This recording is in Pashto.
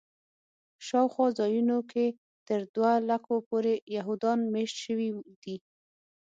شاوخوا ځایونو کې تر دوه لکو پورې یهودان میشت شوي دي.